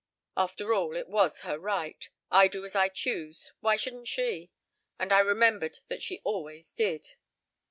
After all it was her right. I do as I choose, why shouldn't she? And I remembered that she always did."